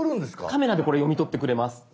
カメラでこれ読み取ってくれます。